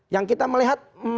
yang kita melihat